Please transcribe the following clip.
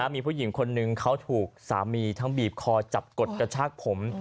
มีผู้หญิงคนนึงเขาถูกสามีทั้งบีบคอจับกดกระชากผม